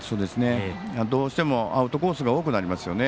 どうしてもアウトコースが多くなりますよね。